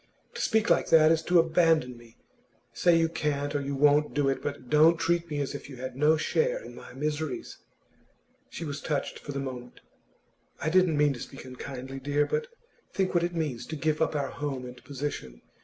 To speak like that is to abandon me. Say you can't or won't do it, but don't treat me as if you had no share in my miseries!' She was touched for the moment. 'I didn't mean to speak unkindly, dear. But think what it means, to give up our home and position.